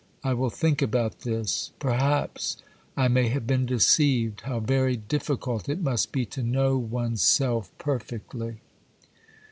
I will think about this; perhaps I may have been deceived. How very difficult it must be to know one's self perfectly!